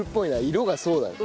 色がそうだよ。